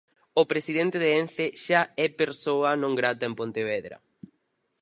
O presidente de Ence xa é persoa non grata en Pontevedra.